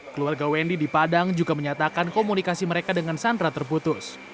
keluarga wendy di padang juga menyatakan komunikasi mereka dengan sandra terputus